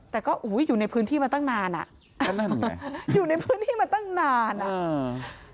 แต่ก็อุ้ยอยู่ในพื้นที่มาตั้งนานอ่ะอยู่ในพื้นที่มาตั้งนานอ่ะอืม